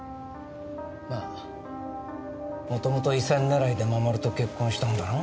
まあ元々遺産狙いで守と結婚したんだろ？